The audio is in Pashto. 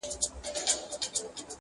• وزیران مي له خبري نه تیریږي -